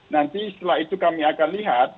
nanti setelah itu kami akan lihat